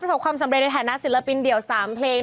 ประสบความสำเร็จในฐานะศิลปินเดี่ยว๓เพลง